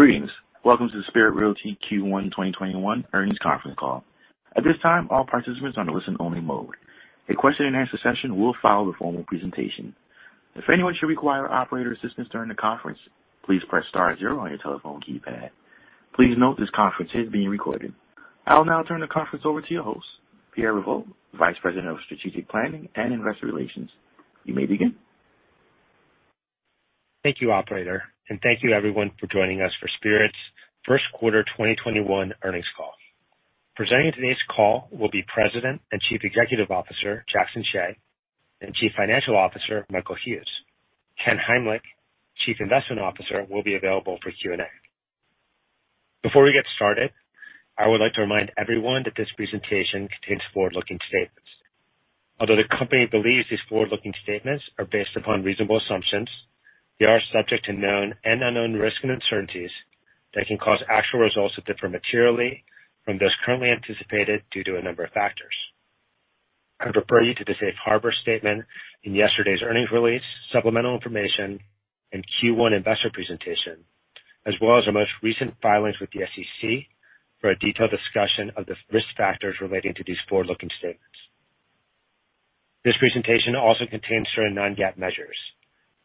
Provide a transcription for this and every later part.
Greetings. Welcome to the Spirit Realty Q1 2021 earnings conference call. I'll now turn the conference over to your host, Pierre Revol, Vice President of Strategic Planning and Investor Relations. You may begin. Thank you, operator, and thank you everyone for joining us for Spirit's first quarter 2021 earnings call. Presenting today's call will be President and Chief Executive Officer Jackson Hsieh and Chief Financial Officer Michael Hughes. Ken Heimlich, Chief Investment Officer, will be available for Q&A. Before we get started, I would like to remind everyone that this presentation contains forward-looking statements. Although the company believes these forward-looking statements are based upon reasonable assumptions, they are subject to known and unknown risks and uncertainties that can cause actual results to differ materially from those currently anticipated due to a number of factors. I refer you to the safe harbor statement in yesterday's earnings release, supplemental information, and Q1 investor presentation, as well as our most recent filings with the SEC for a detailed discussion of the risk factors relating to these forward-looking statements. This presentation also contains certain non-GAAP measures.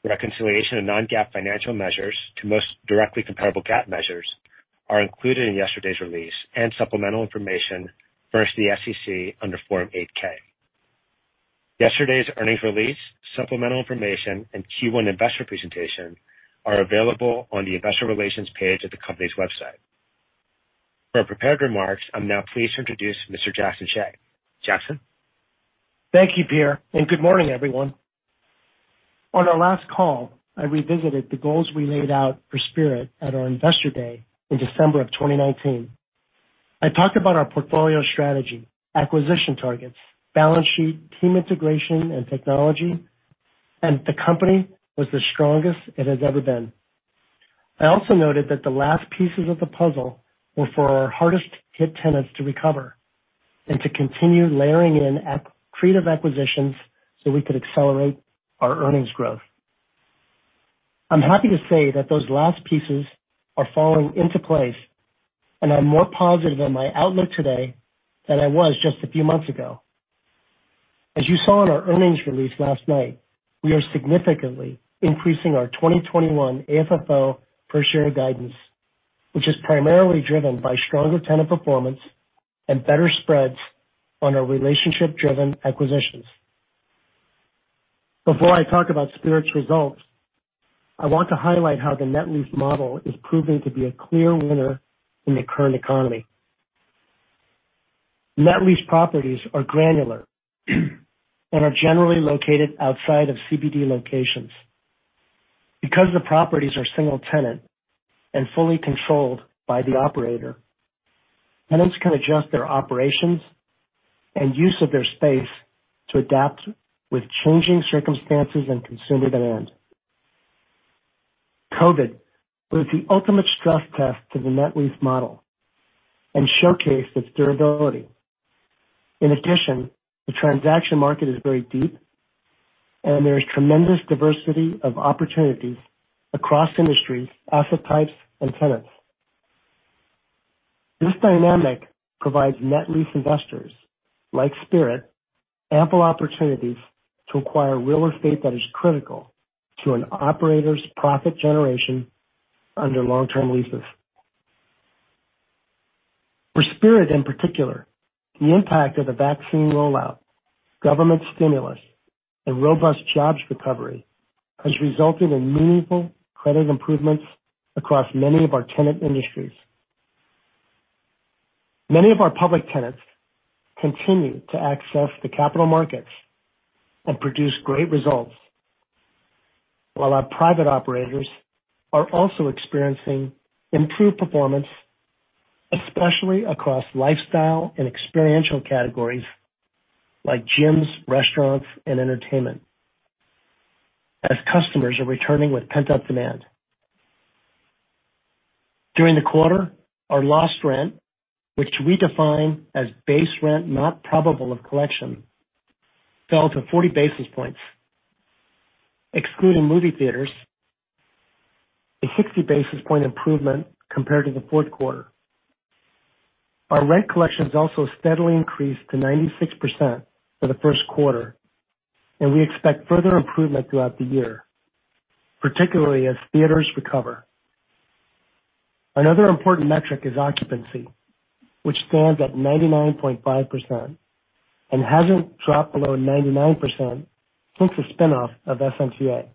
Reconciliation of non-GAAP financial measures to most directly comparable GAAP measures are included in yesterday's release and supplemental information versus the SEC under Form 8-K. Yesterday's earnings release, supplemental information, and Q1 Investor presentation are available on the investor relations page of the company's website. For our prepared remarks, I'm now pleased to introduce Mr. Jackson Hsieh. Jackson. Thank you, Pierre, and good morning, everyone. On our last call, I revisited the goals we laid out for Spirit at our Investor Day in December of 2019. I talked about our portfolio strategy, acquisition targets, balance sheet, team integration, and technology, and the company was the strongest it has ever been. I also noted that the last pieces of the puzzle were for our hardest-hit tenants to recover and to continue layering in accretive acquisitions so we could accelerate our earnings growth. I'm happy to say that those last pieces are falling into place, and I'm more positive on my outlook today than I was just a few months ago. As you saw in our earnings release last night, we are significantly increasing our 2021 AFFO per share guidance, which is primarily driven by stronger tenant performance and better spreads on our relationship-driven acquisitions. Before I talk about Spirit's results, I want to highlight how the net lease model is proving to be a clear winner in the current economy. Net lease properties are granular and are generally located outside of CBD locations. Because the properties are single tenant and fully controlled by the operator, tenants can adjust their operations and use of their space to adapt with changing circumstances and consumer demand. COVID was the ultimate stress test to the net lease model and showcased its durability. In addition, the transaction market is very deep, and there is tremendous diversity of opportunities across industries, asset types, and tenants. This dynamic provides net lease investors, like Spirit, ample opportunities to acquire real estate that is critical to an operator's profit generation under long-term leases. For Spirit in particular, the impact of the vaccine rollout, government stimulus, and robust jobs recovery has resulted in meaningful credit improvements across many of our tenant industries. Many of our public tenants continue to access the capital markets and produce great results, while our private operators are also experiencing improved performance, especially across lifestyle and experiential categories like gyms, restaurants, and entertainment as customers are returning with pent-up demand. During the quarter, our lost rent, which we define as base rent not probable of collection, fell to 40 basis points, excluding movie theaters, a 60 basis point improvement compared to the fourth quarter. Our rent collections also steadily increased to 96% for the first quarter, and we expect further improvement throughout the year, particularly as theaters recover. Another important metric is occupancy, which stands at 99.5% and hasn't dropped below 99% since the spin-off of SMTA.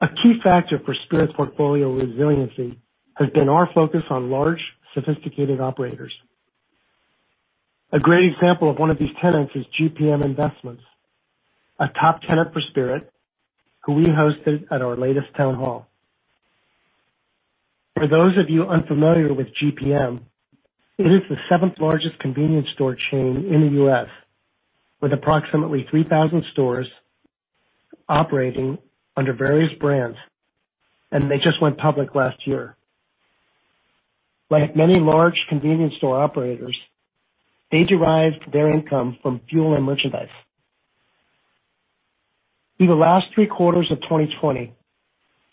A key factor for Spirit's portfolio resiliency has been our focus on large, sophisticated operators. A great example of one of these tenants is GPM Investments, a top tenant for Spirit who we hosted at our latest town hall. For those of you unfamiliar with GPM, it is the seventh-largest convenience store chain in the U.S., with approximately 3,000 stores operating under various brands. They just went public last year. Like many large convenience store operators, they derive their income from fuel and merchandise. Through the last three quarters of 2020,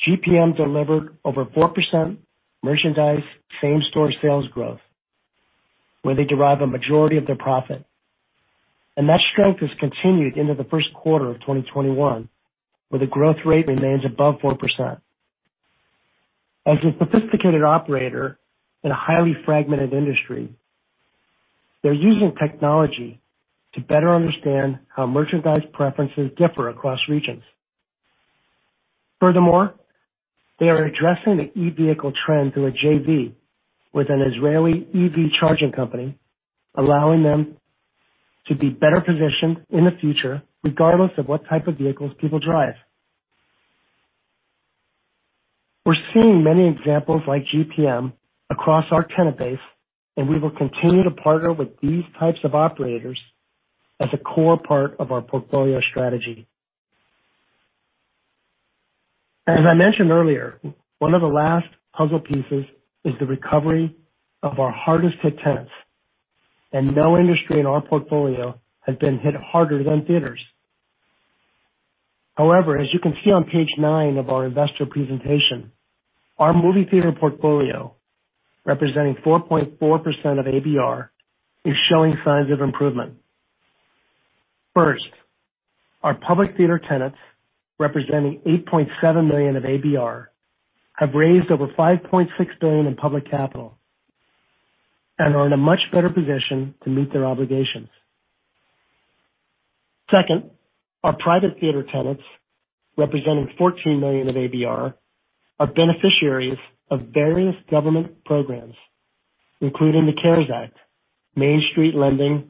GPM delivered over 4% merchandise same-store sales growth, where they derive a majority of their profit. That strength has continued into the first quarter of 2021, where the growth rate remains above 4%. As a sophisticated operator in a highly fragmented industry, they're using technology to better understand how merchandise preferences differ across regions. They are addressing the e-vehicle trend through a JV with an Israeli EV charging company, allowing them to be better positioned in the future, regardless of what type of vehicles people drive. We're seeing many examples like GPM across our tenant base. We will continue to partner with these types of operators as a core part of our portfolio strategy. As I mentioned earlier, one of the last puzzle pieces is the recovery of our hardest hit tenants. No industry in our portfolio has been hit harder than theaters. As you can see on page nine of our investor presentation, our movie theater portfolio, representing 4.4% of ABR, is showing signs of improvement. First, our public theater tenants, representing $8.7 million of ABR, have raised over $5.6 billion in public capital and are in a much better position to meet their obligations. Second, our private theater tenants, representing $14 million of ABR, are beneficiaries of various government programs, including the CARES Act, Main Street Lending,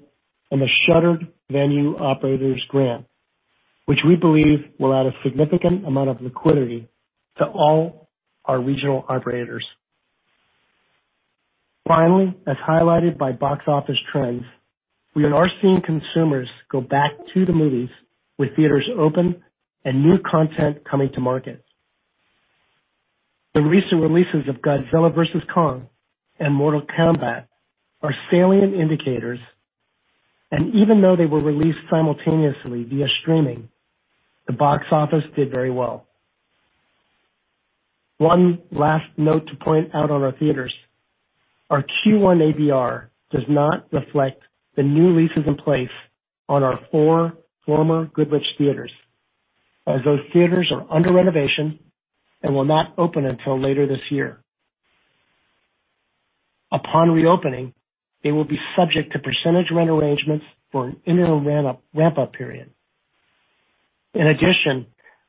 and the Shuttered Venue Operators Grant, which we believe will add a significant amount of liquidity to all our regional operators. Finally, as highlighted by box office trends, we are now seeing consumers go back to the movies with theaters open and new content coming to market. The recent releases of Godzilla vs. Kong and Mortal Kombat are salient indicators, and even though they were released simultaneously via streaming, the box office did very well. One last note to point out on our theaters. Our Q1 ABR does not reflect the new leases in place on our four former Goodrich theaters, as those theaters are under renovation and will not open until later this year. Upon reopening, they will be subject to percentage rent arrangements for an interim ramp-up period. In addition,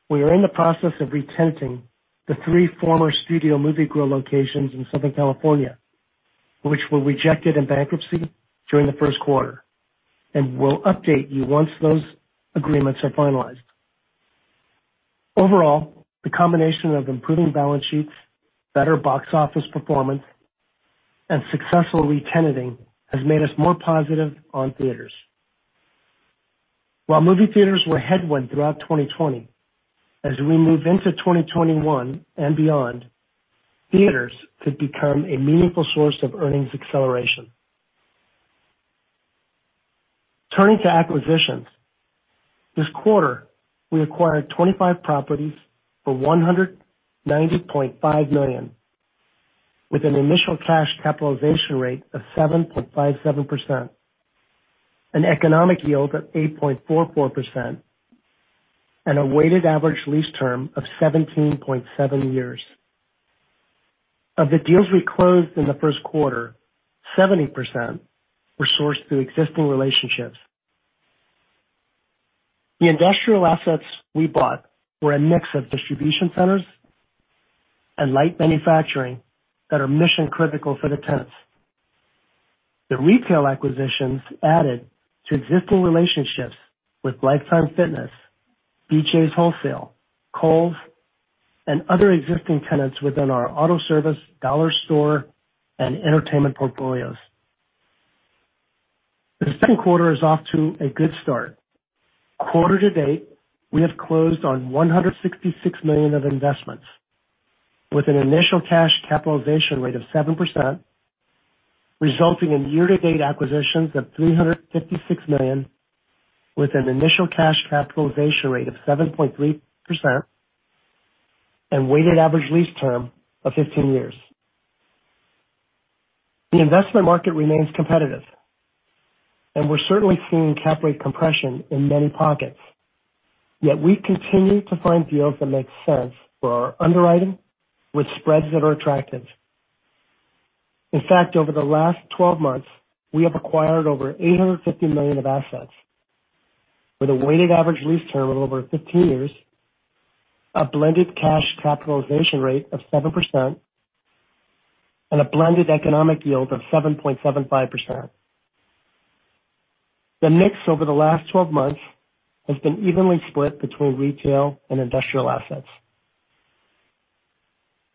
we are in the process of re-tenanting the three former Studio Movie Grill locations in Southern California, which were rejected in bankruptcy during the first quarter, and we'll update you once those agreements are finalized. Overall, the combination of improving balance sheets, better box office performance, and successful re-tenanting has made us more positive on theaters. While movie theaters were a headwind throughout 2020, as we move into 2021 and beyond, theaters could become a meaningful source of earnings acceleration. Turning to acquisitions. This quarter, we acquired 25 properties for $190.5 million with an initial cash capitalization rate of 7.57%, an economic yield of 8.44%, and a weighted average lease term of 17.7 years. Of the deals we closed in the first quarter, 70% were sourced through existing relationships. The industrial assets we bought were a mix of distribution centers and light manufacturing that are mission-critical for the tenants. The retail acquisitions added to existing relationships with Life Time, BJ's Wholesale, Kohl's, and other existing tenants within our auto service, dollar store, and entertainment portfolios. The second quarter is off to a good start. Quarter to date, we have closed on $166 million of investments with an initial cash capitalization rate of 7%, resulting in year-to-date acquisitions of $356 million with an initial cash capitalization rate of 7.3% and weighted average lease term of 15 years. The investment market remains competitive. We're certainly seeing cap rate compression in many pockets. We continue to find deals that make sense for our underwriting with spreads that are attractive. In fact, over the last 12 months, we have acquired over $850 million of assets with a weighted average lease term of over 15 years, a blended cash capitalization rate of 7%, and a blended economic yield of 7.75%. The mix over the last 12 months has been evenly split between retail and industrial assets.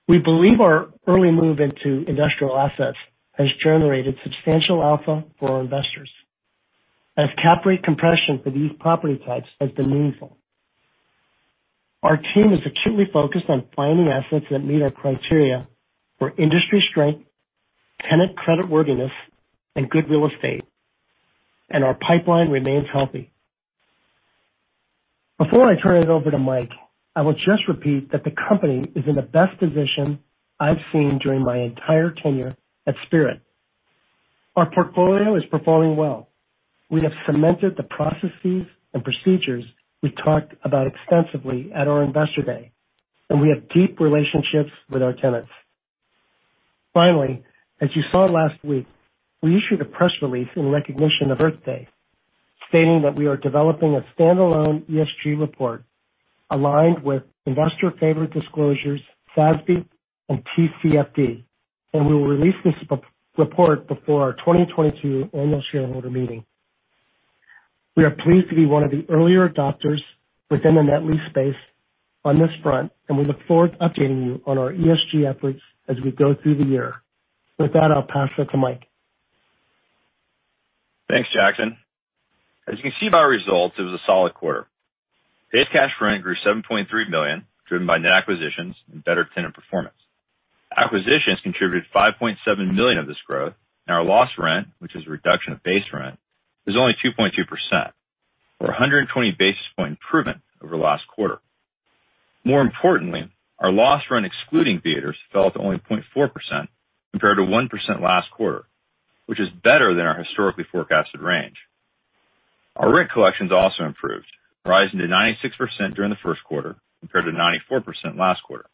We believe our early move into industrial assets has generated substantial alpha for our investors as cap rate compression for these property types has been meaningful. Our team is acutely focused on finding assets that meet our criteria for industry strength, tenant creditworthiness, and good real estate. Our pipeline remains healthy. Before I turn it over to Mike, I will just repeat that the company is in the best position I've seen during my entire tenure at Spirit. Our portfolio is performing well. We have cemented the processes and procedures we talked about extensively at our Investor Day. We have deep relationships with our tenants. Finally, as you saw last week, we issued a press release in recognition of Earth Day, stating that we are developing a standalone ESG report aligned with investor favorite disclosures, SASB, and TCFD. We will release this report before our 2022 annual shareholder meeting. We are pleased to be one of the earlier adopters within the net lease space on this front. We look forward to updating you on our ESG efforts as we go through the year. With that, I'll pass it to Mike. Thanks, Jackson. As you can see by our results, it was a solid quarter. Base cash rent grew $7.3 million, driven by net acquisitions and better tenant performance. Acquisitions contributed $5.7 million of this growth, and our loss rent, which is a reduction of base rent, was only 2.2% or 120 basis point improvement over last quarter. More importantly, our loss rent excluding theaters fell to only 0.4% compared to 1% last quarter, which is better than our historically forecasted range. Our rent collections also improved, rising to 96% during the first quarter compared to 94% last quarter.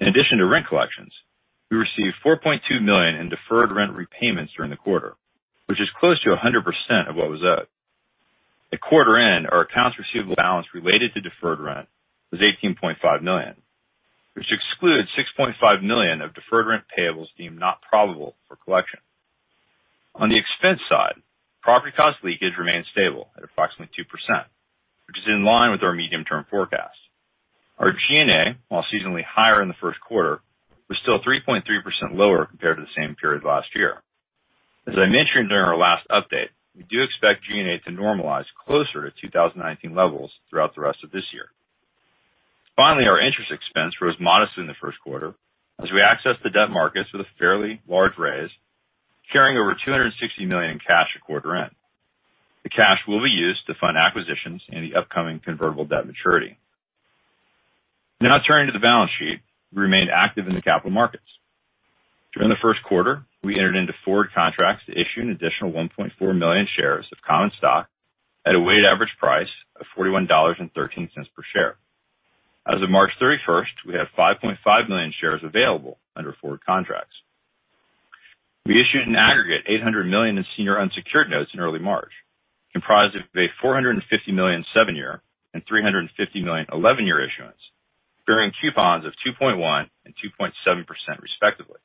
In addition to rent collections, we received $4.2 million in deferred rent repayments during the quarter, which is close to 100% of what was owed. At quarter end, our accounts receivable balance related to deferred rent was $18.5 million, which excludes $6.5 million of deferred rent payables deemed not probable for collection. On the expense side, property cost leakage remains stable at approximately 2%, which is in line with our medium-term forecast. Our G&A, while seasonally higher in the first quarter, was still 3.3% lower compared to the same period last year. As I mentioned during our last update, we do expect G&A to normalize closer to 2019 levels throughout the rest of this year. Finally, our interest expense rose modestly in the first quarter as we accessed the debt markets with a fairly large raise, carrying over $260 million in cash at quarter end. The cash will be used to fund acquisitions and the upcoming convertible debt maturity. Turning to the balance sheet, we remained active in the capital markets. During the first quarter, we entered into forward contracts to issue an additional 1.4 million shares of common stock at a weighted average price of $41.13 per share. As of March 31, we have 5.5 million shares available under forward contracts. We issued an aggregate $800 million in senior unsecured notes in early March, comprised of a $450 million 7-year issuance and $350 million 11-year issuance, bearing coupons of 2.1% and 2.7% respectively.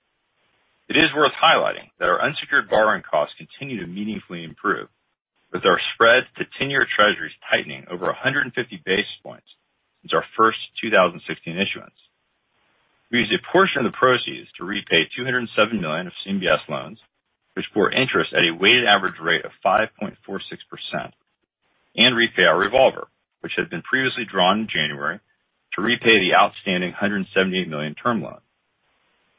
It is worth highlighting that our unsecured borrowing costs continue to meaningfully improve, with our spread to 10-year Treasuries tightening over 150 basis points since our first 2016 issuance. We used a portion of the proceeds to repay $207 million of CMBS loans, which bore interest at a weighted average rate of 5.46%, and repay our revolver, which had been previously drawn in January to repay the outstanding $178 million term loan.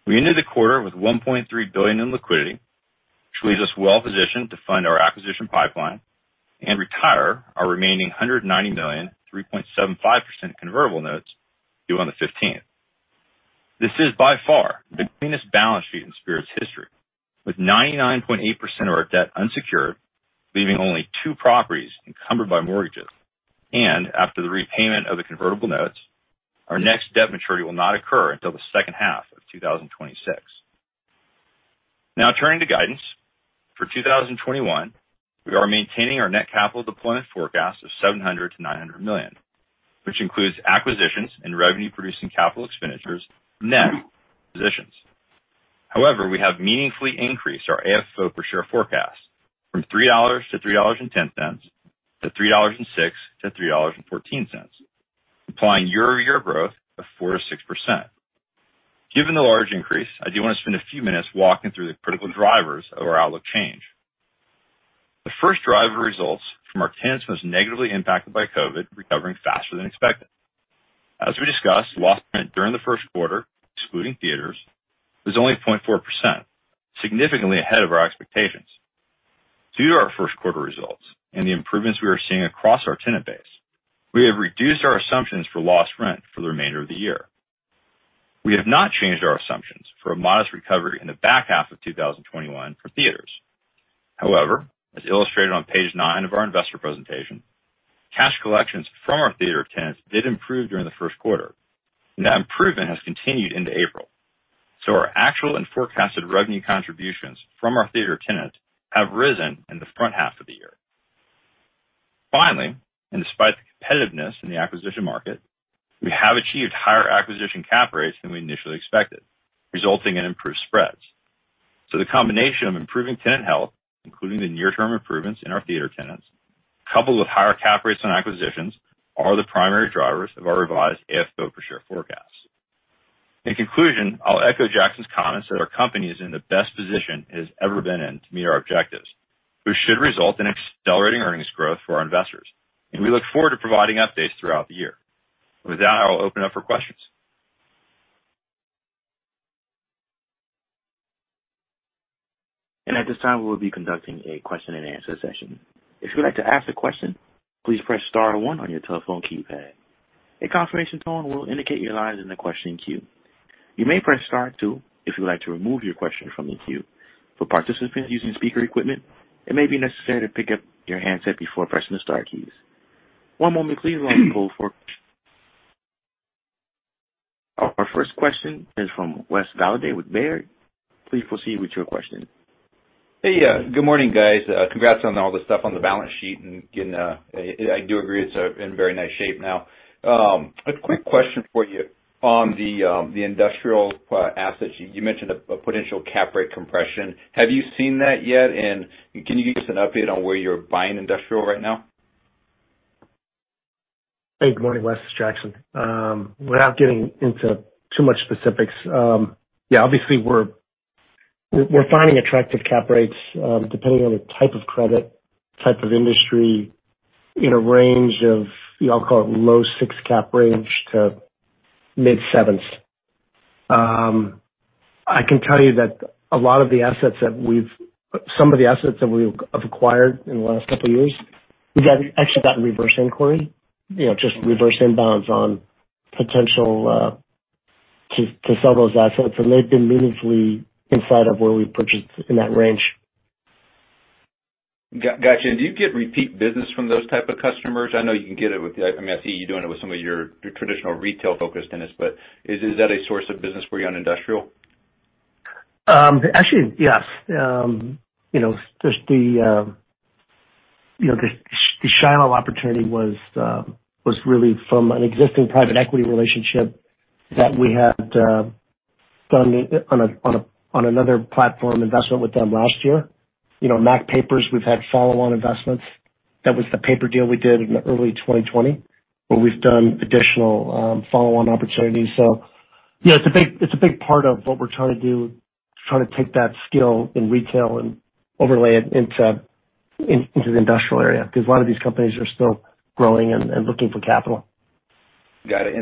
We ended the quarter with $1.3 billion in liquidity, which leaves us well positioned to fund our acquisition pipeline and retire our remaining $190 million, 3.75% convertible notes due on the 15th. This is by far the cleanest balance sheet in Spirit's history, with 99.8% of our debt unsecured, leaving only two properties encumbered by mortgages. After the repayment of the convertible notes, our next debt maturity will not occur until the second half of 2026. Turning to guidance. For 2021, we are maintaining our net capital deployment forecast of $700 million-$900 million, which includes acquisitions and revenue producing capital expenditures, net positions. We have meaningfully increased our AFFO per share forecast from $3.00-$3.10 to $3.06-$3.14, implying year-over-year growth of 4%-6%. Given the large increase, I do want to spend a few minutes walking through the critical drivers of our outlook change. The first driver results from our tenants most negatively impacted by COVID recovering faster than expected. As we discussed, loss rent during the first quarter, excluding theaters, was only 0.4%, significantly ahead of our expectations. Due to our first quarter results and the improvements we are seeing across our tenant base, we have reduced our assumptions for loss rent for the remainder of the year. We have not changed our assumptions for a modest recovery in the back half of 2021 for theaters. As illustrated on page nine of our investor presentation, cash collections from our theater tenants did improve during the first quarter, and that improvement has continued into April. Our actual and forecasted revenue contributions from our theater tenants have risen in the front half of the year. Finally, despite the competitiveness in the acquisition market, we have achieved higher acquisition cap rates than we initially expected, resulting in improved spreads. The combination of improving tenant health, including the near-term improvements in our theater tenants, coupled with higher cap rates on acquisitions, are the primary drivers of our revised AFFO per share forecast. In conclusion, I'll echo Jackson Hsieh's comments that our company is in the best position it has ever been in to meet our objectives, which should result in accelerating earnings growth for our investors. We look forward to providing updates throughout the year. With that, I will open up for questions. At this time, we will be conducting a question and answer session. If you'd like to ask a question, please press star one on your telephone keypad. A confirmation tone will indicate your line is in the question queue. You may press star two if you'd like to remove your question from the queue. For participants using speaker equipment, it may be necessary to pick up your handset before pressing the star keys. One moment please, while I call for Our first question is from Wes Golladay with Baird. Please proceed with your question. Hey, good morning, guys. Congrats on all the stuff on the balance sheet and getting a I do agree it's in very nice shape now. A quick question for you. On the industrial assets, you mentioned a potential cap rate compression. Have you seen that yet? Can you give us an update on where you're buying industrial right now? Hey, good morning, Wes. It's Jackson. Without getting into too much specifics, yeah, obviously we're finding attractive cap rates, depending on the type of credit, type of industry, in a range of, I'll call it low six cap range to mid sevens. I can tell you that some of the assets that we've acquired in the last couple of years, we've actually gotten reverse inquiry, just reverse inbounds on potential to sell those assets. They've been meaningfully inside of where we purchased in that range. Got you. Do you get repeat business from those type of customers? I know you can get it. I see you doing it with some of your traditional retail-focused tenants, but is that a source of business for you on industrial? Actually, yes. Just the Shiloh opportunity was really from an existing private equity relationship that we had done on another platform investment with them last year. Mac Papers, we've had follow-on investments. That was the paper deal we did in early 2020, where we've done additional follow-on opportunities. Yeah, it's a big part of what we're trying to do, trying to take that skill in retail and overlay it into the industrial area, because a lot of these companies are still growing and looking for capital. Got it.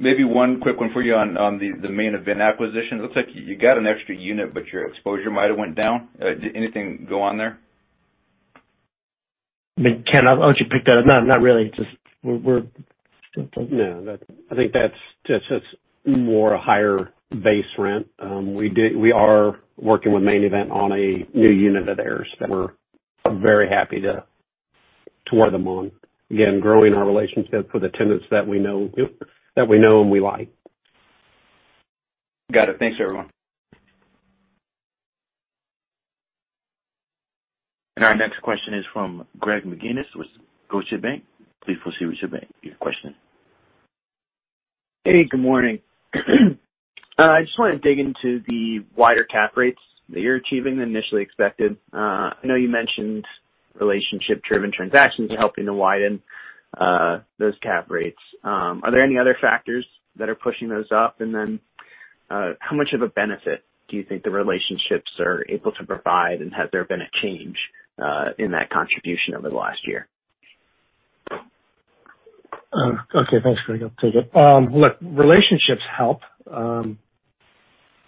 Maybe one quick one for you on the Main Event acquisition. It looks like you got an extra unit, but your exposure might have went down. Did anything go on there? Ken, why don't you pick that up? Not really. No. I think that's just more a higher base rent. We are working with Main Event on a new unit of theirs that we're very happy to work them on. Growing our relationship with the tenants that we know and we like. Got it. Thanks, everyone. Our next question is from Greg McGinniss with Scotiabank. Please proceed with your question. Hey, good morning. I just want to dig into the wider cap rates that you're achieving than initially expected. I know you mentioned relationship-driven transactions helping to widen those cap rates. Are there any other factors that are pushing those up? How much of a benefit do you think the relationships are able to provide, and has there been a change in that contribution over the last year? Okay. Thanks, Greg. I'll take it. Look, relationships help.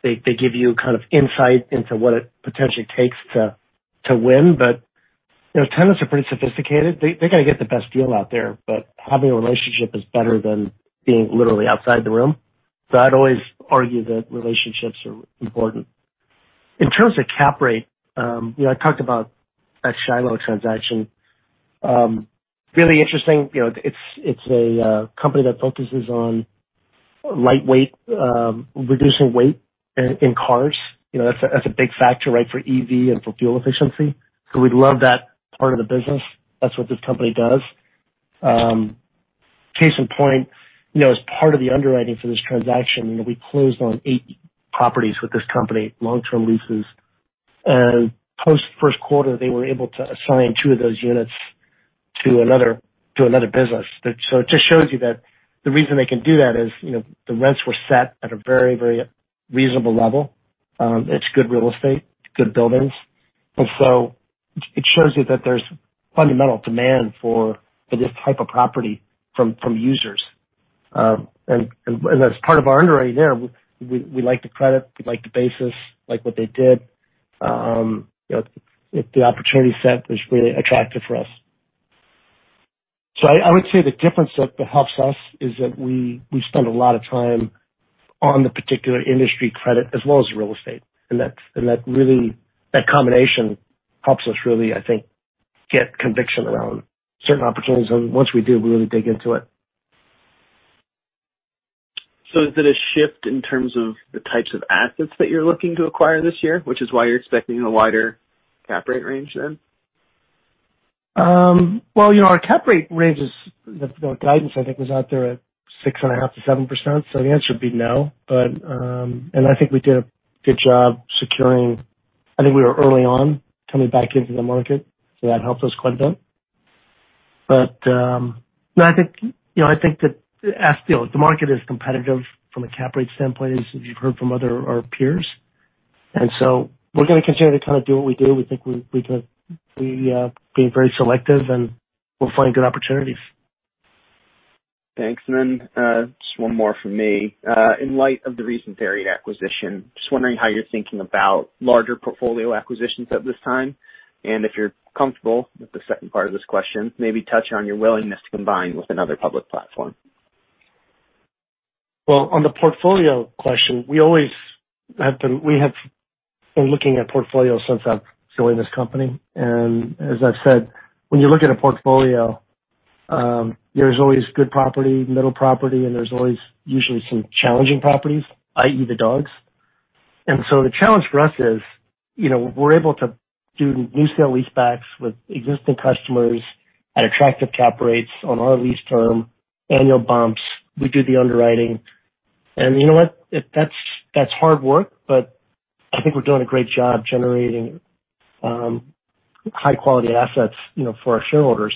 They give you kind of insight into what it potentially takes to win. Tenants are pretty sophisticated. They got to get the best deal out there. Having a relationship is better than being literally outside the room. I'd always argue that relationships are important. In terms of cap rate, I talked about that Shiloh transaction. Really interesting. It's a company that focuses on lightweight, reducing weight in cars. That's a big factor, right, for EV and for fuel efficiency. We love that part of the business. That's what this company does. Case in point, as part of the underwriting for this transaction, we closed on eight properties with this company, long-term leases. Post first quarter, they were able to assign two of those units to another business. It just shows you that the reason they can do that is the rents were set at a very reasonable level. It's good real estate, good buildings. It shows you that there's fundamental demand for this type of property from users. As part of our underwriting there, we liked the credit, we liked the basis, liked what they did. The opportunity set was really attractive for us. I would say the difference that helps us is that we spend a lot of time on the particular industry credit as well as real estate. That combination helps us really, I think, get conviction around certain opportunities. Once we do, we really dig into it. Is it a shift in terms of the types of assets that you're looking to acquire this year, which is why you're expecting a wider cap rate range then? Well, our cap rate range is. The guidance, I think, was out there at 6.5%-7%, the answer would be no. I think we did a good job securing. I think we were early on coming back into the market, that helped us quite a bit. No, I think that the market is competitive from a cap rate standpoint, as you've heard from other of our peers. We're going to continue to kind of do what we do. We think we've been very selective. We'll find good opportunities. Thanks. Just one more from me. In light of the recent Spirit acquisition, just wondering how you're thinking about larger portfolio acquisitions at this time. If you're comfortable with the second part of this question, maybe touch on your willingness to combine with another public platform. Well, on the portfolio question, we have been looking at portfolios since I've joined this company. As I've said, when you look at a portfolio, there's always good property, middle property, and there's always usually some challenging properties, i.e. the dogs. The challenge for us is, we're able to do new sale lease backs with existing customers at attractive cap rates on our lease term, annual bumps. We do the underwriting. You know what? That's hard work, but I think we're doing a great job generating high-quality assets for our shareholders.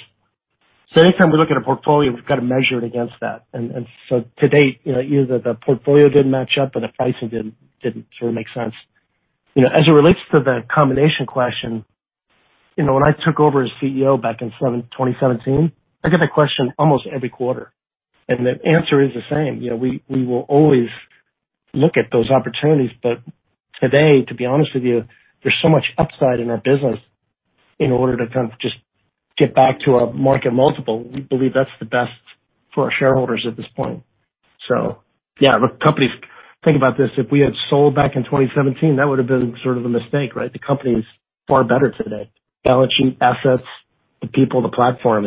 Anytime we look at a portfolio, we've got to measure it against that. To date, either the portfolio didn't match up or the pricing didn't sort of make sense. As it relates to the combination question, when I took over as CEO back in 2017, I get that question almost every quarter. The answer is the same. We will always look at those opportunities. Today, to be honest with you, there's so much upside in our business in order to kind of just get back to a market multiple. We believe that's the best for our shareholders at this point. Yeah, look, companies. Think about this. If we had sold back in 2017, that would've been sort of a mistake, right? The company's far better today. Balance sheet, assets, the people, the platform.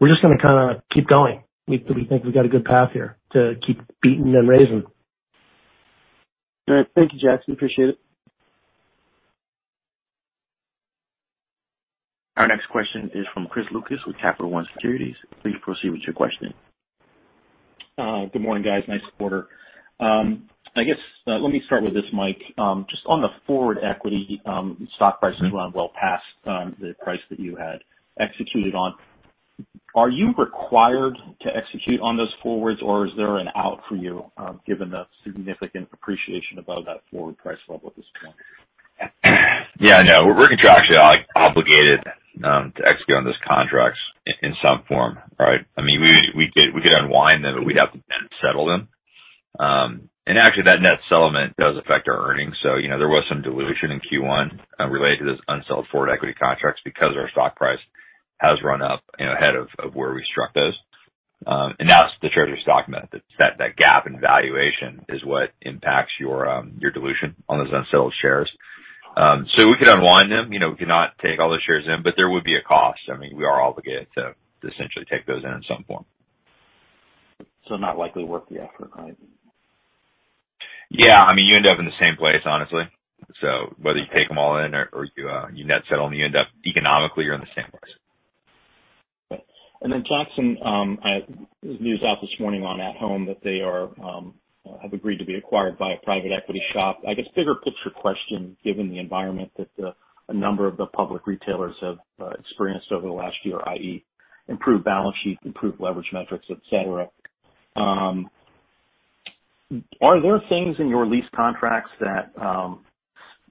We're just going to kind of keep going. We think we've got a good path here to keep beating and raising. All right. Thank you, Jackson. Appreciate it. Our next question is from Chris Lucas with Capital One Securities. Please proceed with your question. Good morning, guys. Nice quarter. I guess, let me start with this, Mike. On the forward equity, stock price has run well past the price that you had executed on. Are you required to execute on those forwards, or is there an out for you given the significant appreciation above that forward price level at this point? No. We're contractually obligated to execute on those contracts in some form, right? We could unwind them, but we'd have to then settle them. Actually, that net settlement does affect our earnings. There was some dilution in Q1 related to those unsold forward equity contracts because our stock price has run up ahead of where we struck those. That's the treasury stock method. That gap in valuation is what impacts your dilution on those unsold shares. We could unwind them, we could not take all those shares in, but there would be a cost. We are obligated to essentially take those in in some form. Not likely worth the effort, right? Yeah. You end up in the same place, honestly. Whether you take them all in or you net settle them, economically, you're in the same place. Jackson, news out this morning on At Home that they have agreed to be acquired by a private equity shop. I guess bigger picture question, given the environment that a number of the public retailers have experienced over the last year, i.e., improved balance sheet, improved leverage metrics, et cetera. Are there things in your lease contracts that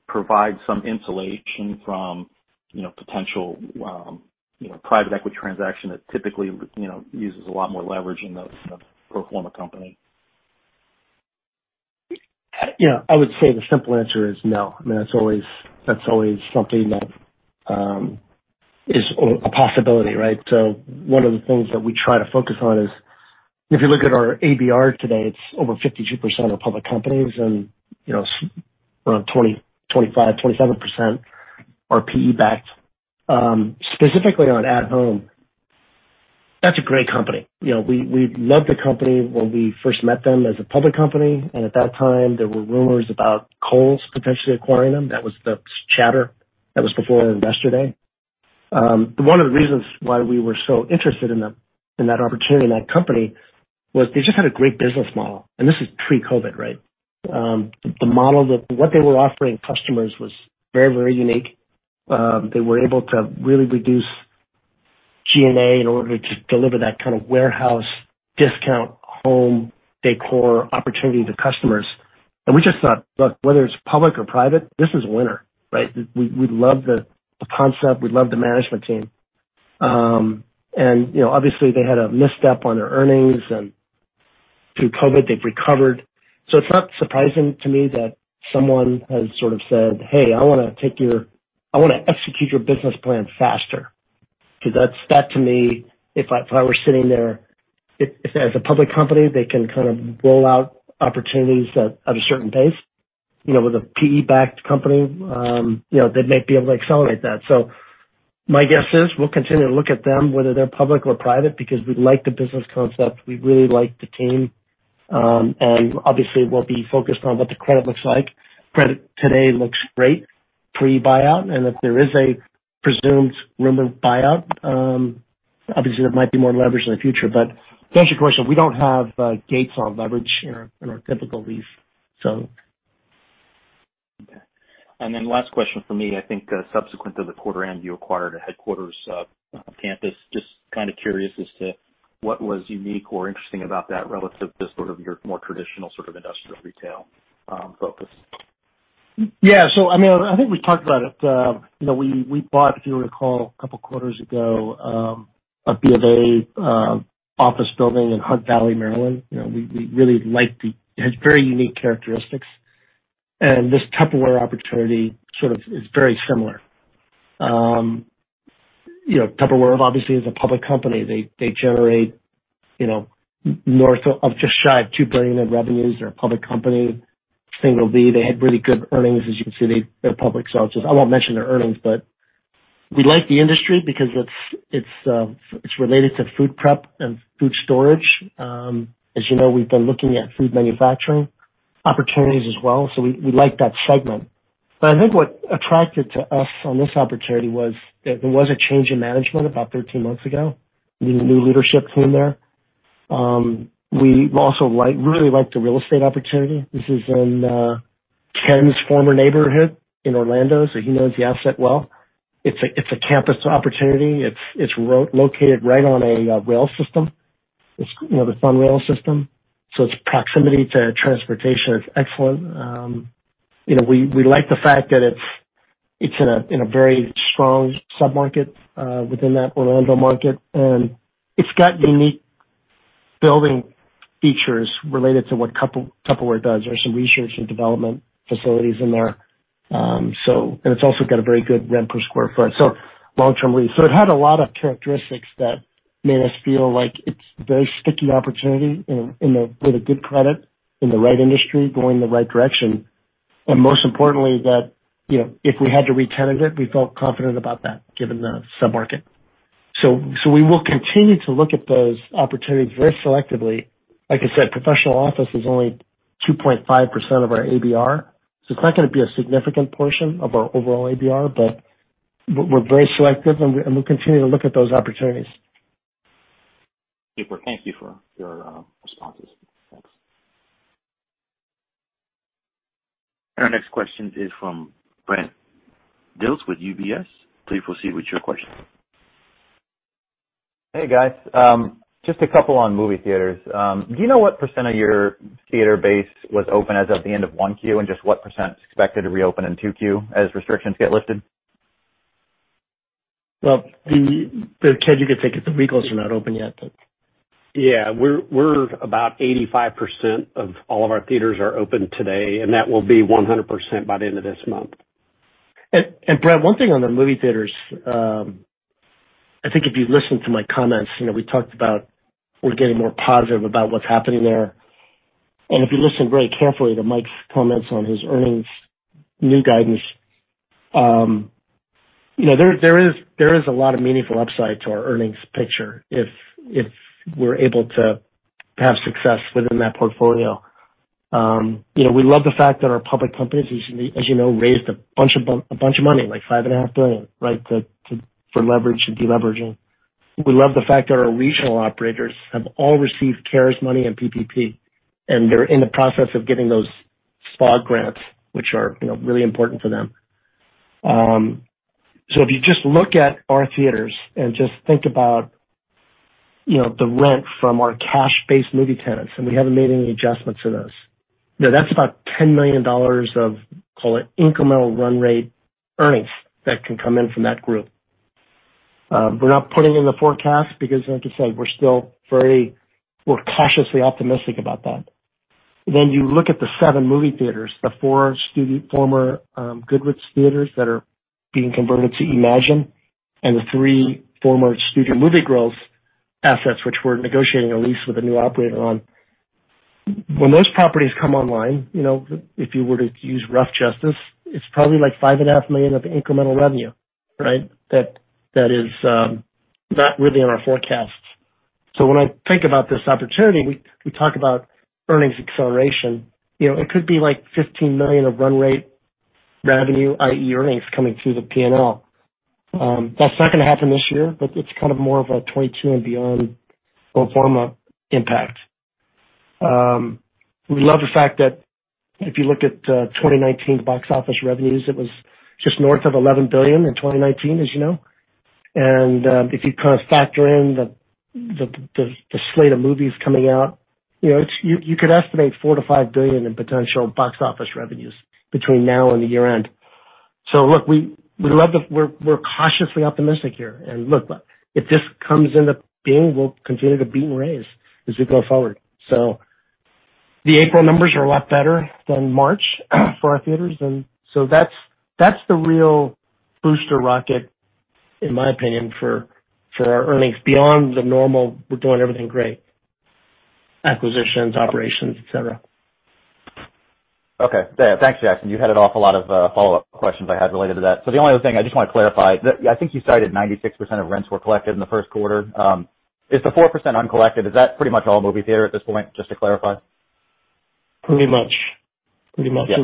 provide some insulation from potential private equity transaction that typically uses a lot more leverage in the pro forma company? I would say the simple answer is no. That's always something that is a possibility, right? One of the things that we try to focus on is, if you look at our ABR today, it's over 52% of public companies and around 25%-27% are PE-backed. Specifically on At Home, that's a great company. We loved the company when we first met them as a public company. At that time, there were rumors about Kohl's potentially acquiring them. That was the chatter that was before Investor Day. One of the reasons why we were so interested in that opportunity and that company was they just had a great business model. This is pre-COVID, right? The model what they were offering customers was very, very unique. They were able to really reduce G&A in order to deliver that kind of warehouse discount home decor opportunity to customers. We just thought, "Look, whether it's public or private, this is a winner," right? We love the concept. We love the management team. Obviously, they had a misstep on their earnings, and through COVID, they've recovered. It's not surprising to me that someone has sort of said, "Hey, I want to execute your business plan faster." That to me, if I were sitting there, if as a public company, they can kind of roll out opportunities at a certain pace, with a PE-backed company they might be able to accelerate that. My guess is we'll continue to look at them, whether they're public or private, because we like the business concept, we really like the team. Obviously, we'll be focused on what the credit looks like. Credit today looks great pre-buyout, and if there is a presumed rumored buyout obviously there might be more leverage in the future. To answer your question, we don't have gates on leverage in our typical lease. Okay. Last question from me. I think subsequent to the quarter end, you acquired a headquarters campus. Just kind of curious as to what was unique or interesting about that relative to sort of your more traditional sort of industrial retail focus. Yeah. I think we talked about it. We bought, if you recall, a couple of quarters ago, a Bank of America office building in Hunt Valley, Maryland. It has very unique characteristics. This Tupperware opportunity sort of is very similar. Tupperware obviously is a public company. They generate north of just shy of $2 billion in revenues. They're a public company, single B. They had really good earnings, as you can see. They're public, I won't mention their earnings. We like the industry because it's related to food prep and food storage. As you know, we've been looking at food manufacturing opportunities as well. We like that segment. I think what attracted to us on this opportunity was that there was a change in management about 13 months ago. New leadership came there. We also really liked the real estate opportunity. This is in Ken's former neighborhood in Orlando. He knows the asset well. It's a campus opportunity. It's located right on a rail system. It's on the rail system. Its proximity to transportation is excellent. We like the fact that it's in a very strong sub-market within that Orlando market. It's got unique building features related to what Tupperware does. There's some research and development facilities in there. It's also got a very good rent per square foot, long-term lease. It had a lot of characteristics that made us feel like it's a very sticky opportunity with a good credit in the right industry going the right direction, and most importantly, that if we had to retenant it, we felt confident about that given the sub-market. We will continue to look at those opportunities very selectively. Like I said, professional office is only 2.5% of our ABR, so it's not going to be a significant portion of our overall ABR, but we're very selective, and we'll continue to look at those opportunities. Super. Thank you for your responses. Thanks. Our next question is from Brent Dilts with UBS. Please proceed with your question. Hey, guys. Just a couple on movie theaters. Do you know what % of your theater base was open as of the end of Q1 and just what percentage is expected to reopen in Q2 as restrictions get lifted? Well, the ken you could take at the Regals are not open yet. Yeah. We're about 85% of all of our theaters are open today, and that will be 100% by the end of this month. Brent, one thing on the movie theaters, I think if you listen to my comments, we talked about we're getting more positive about what's happening there. If you listen very carefully to Mike's comments on his earnings, new guidance, there is a lot of meaningful upside to our earnings picture if we're able to have success within that portfolio. We love the fact that our public companies, as you know, raised a bunch of money, like $5.5 billion, right, for leverage and deleverage. We love the fact that our regional operators have all received CARES money and PPP, and they're in the process of getting those SBA grants, which are really important for them. If you just look at our theaters and just think about the rent from our cash-based movie tenants, we haven't made any adjustments to those. That's about $10 million of, call it, incremental run rate earnings that can come in from that group. We're not putting in the forecast because, like I said, we're cautiously optimistic about that. You look at the seven movie theaters, the four former Goodrich Quality Theaters that are being converted to Emagine and the three former Studio Movie Grill assets, which we're negotiating a lease with a new operator on. When those properties come online, if you were to use rough justice, it's probably like $5.5 million of incremental revenue, right? That is not really in our forecast. When I think about this opportunity, we talk about earnings acceleration. It could be like $15 million of run rate revenue, i.e., earnings, coming through the P&L. That's not going to happen this year, but it's kind of more of a 2022 and beyond pro forma impact. We love the fact that if you look at 2019 box office revenues, it was just north of $11 billion in 2019, as you know. If you kind of factor in the slate of movies coming out, you could estimate $4 billion-$5 billion in potential box office revenues between now and the year-end. Look, we're cautiously optimistic here. Look, if this comes into being, we'll continue to beat and raise as we go forward. The April numbers are a lot better than March for our theaters. That's the real booster rocket, in my opinion, for our earnings beyond the normal we're doing everything great. Acquisitions, operations, et cetera. Okay. Thanks, Jackson. You headed off a lot of follow-up questions I had related to that. The only other thing I just want to clarify, I think you cited 96% of rents were collected in the first quarter. Is the 4% uncollected, is that pretty much all movie theater at this point, just to clarify? Pretty much. Yeah.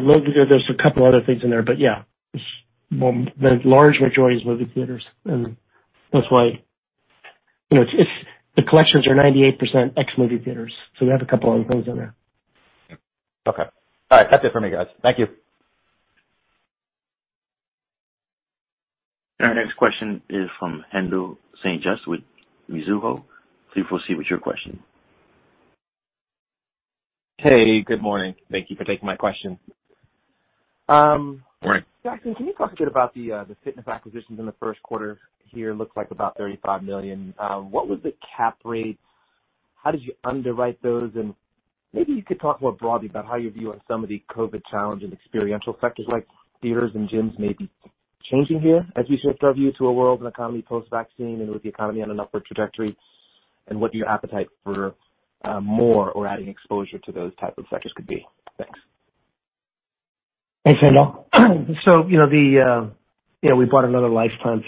There's a couple other things in there, but yeah. The large majority is movie theaters. The collections are 98% ex movie theaters. We have a couple other things in there. Okay. All right. That's it for me, guys. Thank you. Our next question is from Haendel St. Juste with Mizuho. Please proceed with your question. Hey, good morning. Thank you for taking my question. Morning. Jackson, can you talk a bit about the fitness acquisitions in the first quarter here? Looks like about $35 million. What was the cap rate? How did you underwrite those? Maybe you could talk more broadly about how you view on some of the COVID challenge and experiential sectors like theaters and gyms may be changing here as we shift our view to a world and economy post vaccine and with the economy on an upward trajectory. What your appetite for more or adding exposure to those type of sectors could be. Thanks. Thanks, Haendel. We bought another Life Time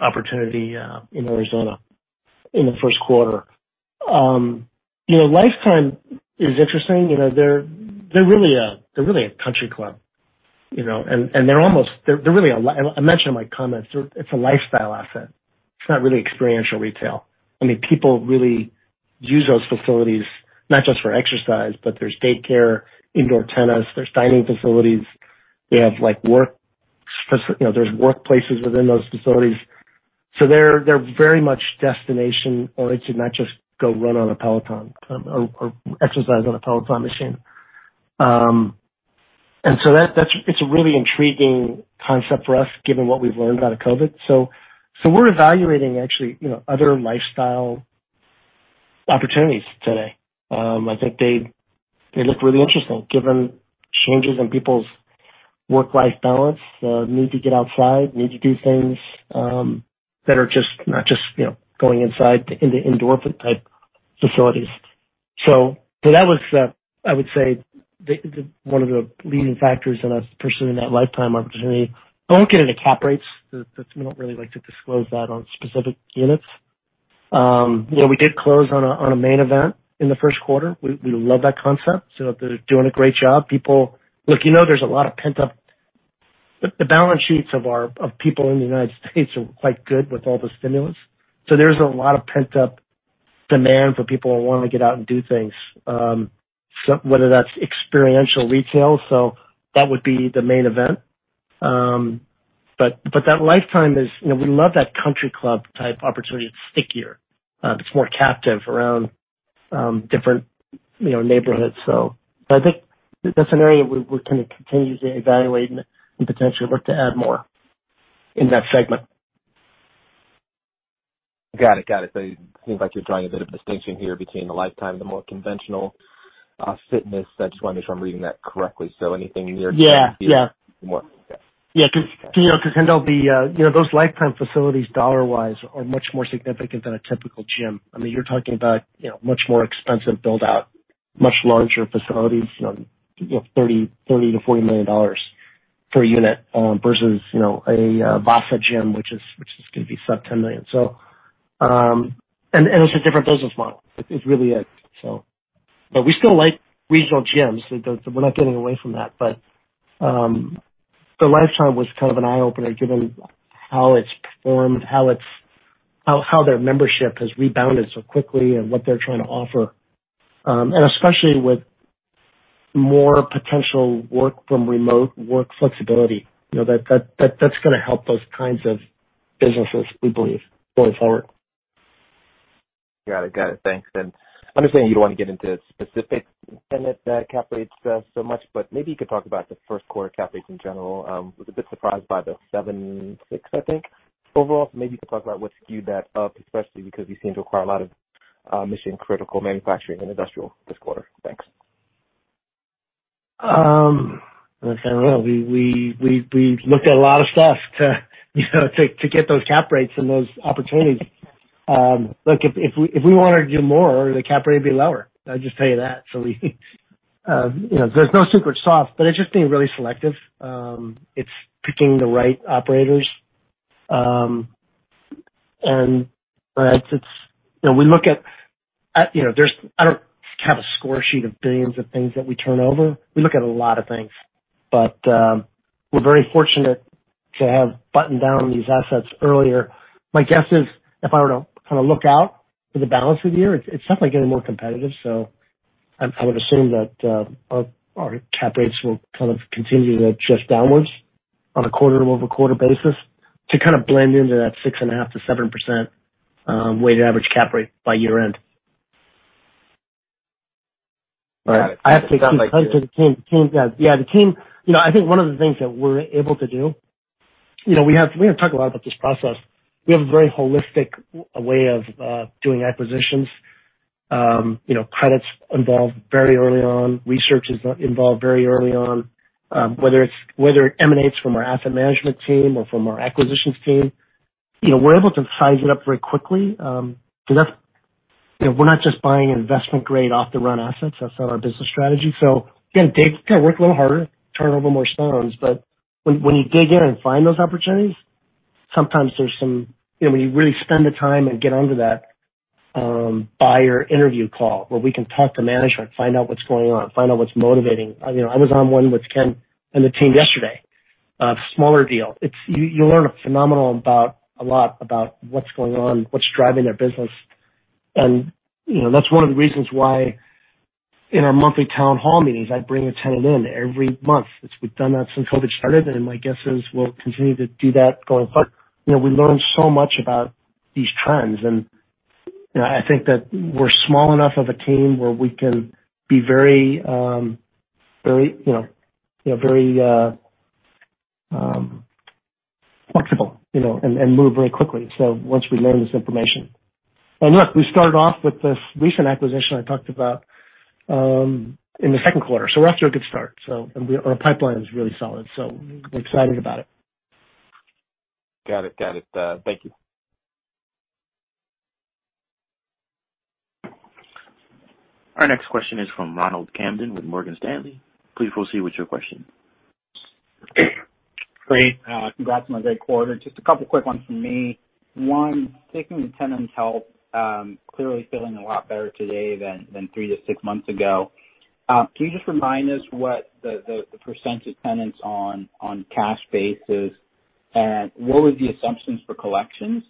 opportunity in Arizona in the first quarter. Life Time is interesting. They're really a country club, and I mentioned in my comments, it's a lifestyle asset. It's not really experiential retail. People really use those facilities not just for exercise, but there's daycare, indoor tennis, there's dining facilities. There's workplaces within those facilities. They're very much destination oriented, not just go run on a Peloton or exercise on a Peloton machine. It's a really intriguing concept for us, given what we've learned out of COVID. We're evaluating actually other lifestyle opportunities today. I think they look really interesting given changes in people's work-life balance, need to get outside, need to do things that are not just going inside into indoor type facilities. That was, I would say, one of the leading factors in us pursuing that Life Time opportunity. I won't get into cap rates. We don't really like to disclose that on specific units. We did close on a Main Event in the first quarter. We love that concept. They're doing a great job. Look, there's a lot of pent-up The balance sheets of people in the United States are quite good with all the stimulus. There's a lot of pent-up demand for people who want to get out and do things whether that's experiential retail, so that would be the Main Event. That Life Time is, we love that country club type opportunity. It's stickier. It's more captive around different neighborhoods. I think that's an area we're going to continue to evaluate and potentially look to add more in that segment. Got it. It seems like you're drawing a bit of distinction here between the Life Time, the more conventional fitness. I just want to make sure I'm reading that correctly. Yeah. More. Yeah. Yeah. Haendel, those Life Time facilities, dollar-wise, are much more significant than a typical gym. You're talking about much more expensive build out, much larger facilities, $30 million-$40 million per unit versus a VASA Fitness gym, which is going to be sub $10 million. It's a different business model. It really is. We still like regional gyms. We're not getting away from that. The Life Time was kind of an eye opener given how it's performed, how their membership has rebounded so quickly and what they're trying to offer. Especially with more potential work from remote work flexibility. That's going to help those kinds of businesses, we believe, going forward. Got it. Thanks. I understand you don't want to get into specifics and the cap rates so much, but maybe you could talk about the first quarter cap rates in general. Was a bit surprised by the 7.6% I think, overall. Maybe you could talk about what skewed that up, especially because you seem to acquire a lot of mission critical manufacturing and industrial this quarter. Thanks. Listen, we looked at a lot of stuff to get those cap rates and those opportunities. Look, if we wanted to do more, the cap rate would be lower. I'll just tell you that. There's no secret sauce, but it's just being really selective. It's picking the right operators. I don't have a score sheet of billions of things that we turn over. We look at a lot of things, but we're very fortunate to have buttoned down these assets earlier. My guess is if I were to kind of look out for the balance of the year, it's definitely getting more competitive. I would assume that our cap rates will kind of continue to adjust downwards on a quarter-over-quarter basis to kind of blend into that 6.5%-7% weighted average cap rate by year end. Got it. Yeah. I think one of the things that we're able to do, we haven't talked a lot about this process. We have a very holistic way of doing acquisitions. Credit's involved very early on. Research is involved very early on. Whether it emanates from our asset management team or from our acquisitions team, we're able to size it up very quickly. We're not just buying investment grade off the run assets. That's not our business strategy. Again, Dave, got to work a little harder, turn over more stones. When you dig in and find those opportunities, sometimes when you really spend the time and get onto that buyer interview call where we can talk to management, find out what's going on, find out what's motivating. I was on one with Ken and the team yesterday, a smaller deal. You learn a phenomenal lot about what's going on, what's driving their business. That's one of the reasons why in our monthly town hall meetings, I bring a tenant in every month. We've done that since COVID started, and my guess is we'll continue to do that going forward. We learn so much about these trends, and I think that we're small enough of a team where we can be very flexible and move very quickly, so once we learn this information. Look, we started off with this recent acquisition I talked about in the second quarter. We're off to a good start. Our pipeline is really solid. We're excited about it. Got it. Thank you. Our next question is from Ronald Kamdem with Morgan Stanley. Please proceed with your question. Great. Congrats on a great quarter. Just a couple quick ones from me. One, taking the tenant's health, clearly feeling a lot better today than three to six months ago. Can you just remind us what the percentage tenants on cash basis, and what were the assumptions for collections,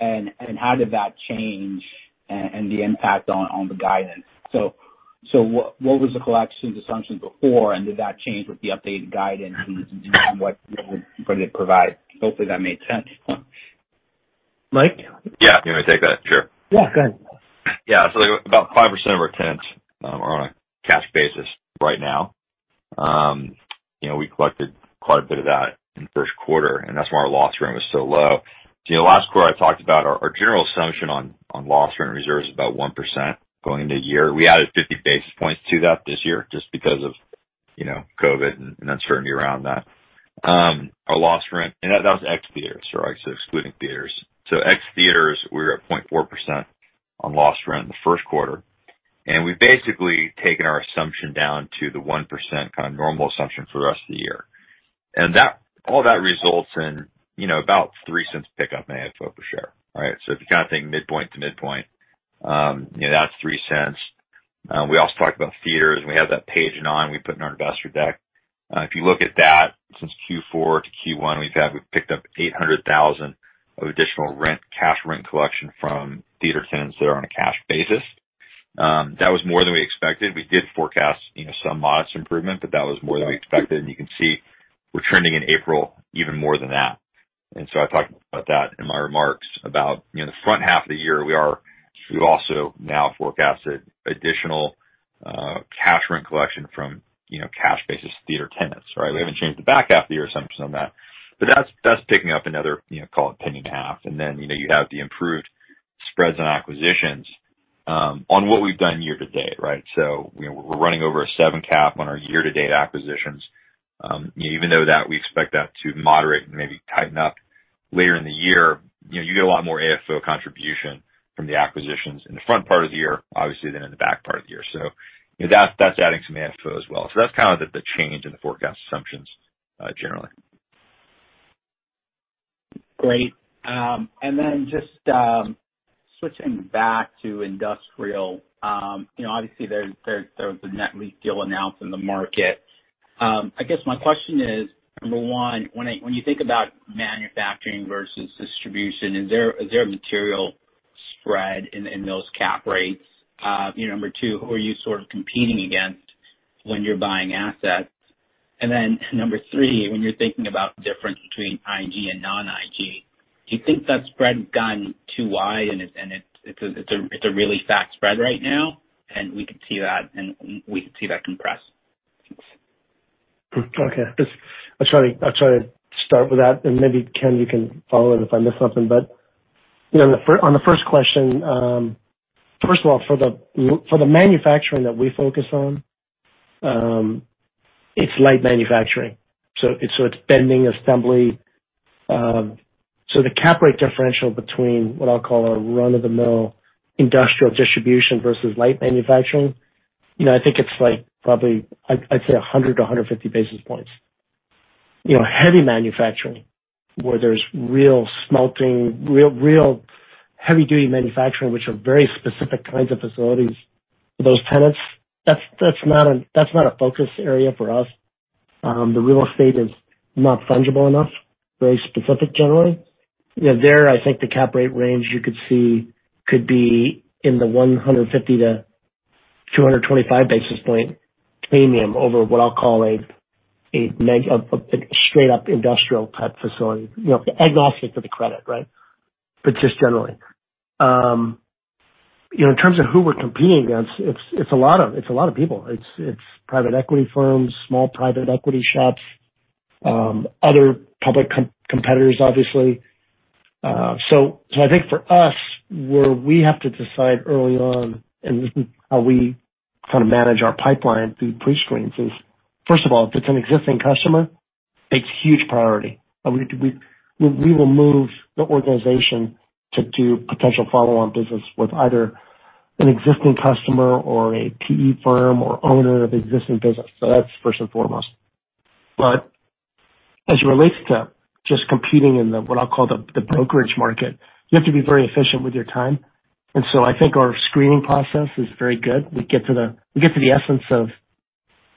and how did that change and the impact on the guidance? What was the collections assumption before, and did that change with the updated guidance and what it provided? Hopefully, that made sense. Mike? Yeah. You want me to take that? Sure. Yeah, go ahead. Yeah. About 5% of our tenants are on a cash basis right now. We collected quite a bit of that in the first quarter, and that's why our loss rent was so low. Last quarter, I talked about our general assumption on loss rent reserves is about 1% going into the year. We added 50 basis points to that this year just because of COVID and uncertainty around that. Our loss rent, and that was ex-theaters, right? Excluding theaters. Ex-theaters, we were at 0.4% on loss rent in the first quarter, and we've basically taken our assumption down to the 1% kind of normal assumption for the rest of the year. All that results in about $0.03 pickup in AFFO per share. Right? If you kind of think midpoint to midpoint, that's $0.03. We also talked about theaters. We have that page nine we put in our investor deck. If you look at that, since Q4 to Q1, we've picked up $800,000 of additional rent, cash rent collection from theater tenants that are on a cash basis. That was more than we expected. We did forecast some modest improvement. That was more than we expected. You can see we're trending in April even more than that. I talked about that in my remarks about the front half of the year. We also now forecasted additional cash rent collection from cash basis theater tenants, right? We haven't changed the back half of the year assumptions on that. That's picking up another, call it penny and a half. You have the improved spreads on acquisitions, on what we've done year to date, right? We're running over a 7% cap on our year to date acquisitions. Even though we expect that to moderate and maybe tighten up later in the year, you get a lot more AFFO contribution from the acquisitions in the front part of the year, obviously, than in the back part of the year. That's adding some AFFO as well. That's kind of the change in the forecast assumptions, generally. Great. Just switching back to industrial. Obviously, there was a net lease deal announced in the market. I guess my question is, number 1, when you think about manufacturing versus distribution, is there a material spread in those cap rates? Number 2, who are you sort of competing against when you're buying assets? Number 3, when you're thinking about difference between IG and non-IG, do you think that spread has gotten too wide and it's a really fat spread right now, and we could see that compress? I'll try to start with that, and maybe Ken, you can follow it if I miss something. On the first question, first of all, for the manufacturing that we focus on, it's light manufacturing. It's bending, assembly. The cap rate differential between what I'll call a run-of-the-mill industrial distribution versus light manufacturing, I think it's probably, I'd say 100-150 basis points. Heavy manufacturing, where there's real smelting, real heavy-duty manufacturing, which are very specific kinds of facilities for those tenants, that's not a focus area for us. The real estate is not fungible enough, very specific generally. There, I think the cap rate range you could see could be in the 150-225 basis point premium over what I'll call a straight-up industrial type facility, agnostic to the credit, right? Just generally. In terms of who we're competing against, it's a lot of people. It's private equity firms, small private equity shops, other public competitors, obviously. I think for us, where we have to decide early on, and this is how we kind of manage our pipeline through pre-screens is, first of all, if it's an existing customer, it's huge priority. We will move the organization to do potential follow-on business with either an existing customer or a PE firm or owner of existing business. That's first and foremost. As it relates to just competing in the, what I'll call the brokerage market, you have to be very efficient with your time. I think our screening process is very good. We get to the essence of,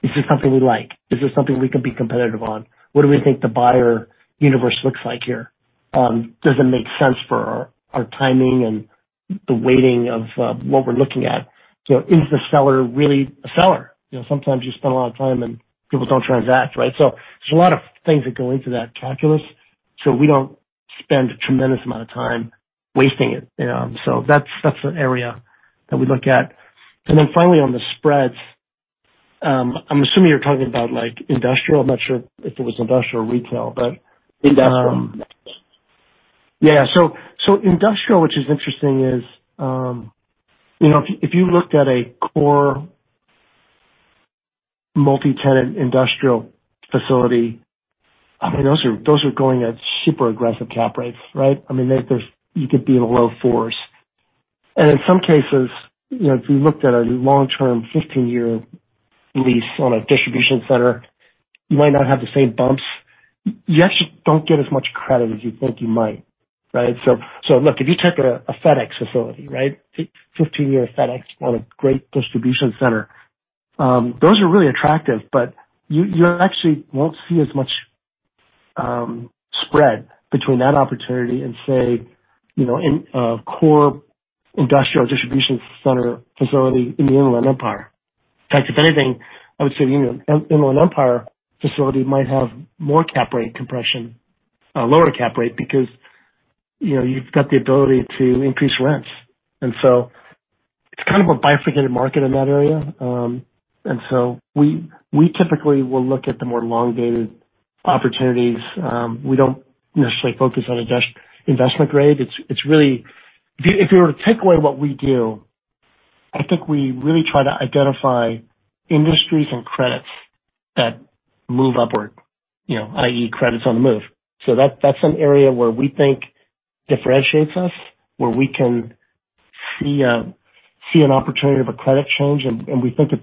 is this something we like? Is this something we can be competitive on? What do we think the buyer universe looks like here? Does it make sense for our timing and the weighting of what we're looking at? Is the seller really a seller? Sometimes you spend a lot of time and people don't transact, right? There's a lot of things that go into that calculus. We don't spend a tremendous amount of time wasting it. That's an area that we look at. Finally, on the spreads, I'm assuming you're talking about industrial. I'm not sure if it was industrial or retail, but- Industrial, which is interesting, is if you looked at a core multi-tenant industrial facility, those are going at super aggressive cap rates, right? You could be in the low fours. In some cases, if you looked at a long-term 15-year lease on a distribution center, you might not have the same bumps. You actually don't get as much credit as you think you might, right? Look, if you take a FedEx facility. 15-year FedEx on a great distribution center. Those are really attractive, you actually won't see as much spread between that opportunity and, say, a core industrial distribution center facility in the Inland Empire. In fact, if anything, I would say the Inland Empire facility might have more cap rate compression, lower cap rate, because you've got the ability to increase rents. It's kind of a bifurcated market in that area. We typically will look at the more long-dated opportunities. We don't necessarily focus on investment grade. If you were to take away what we do, I think we really try to identify industries and credits that move upward, i.e., credits on the move. That's an area where we think differentiates us, where we can see an opportunity of a credit change, and we think if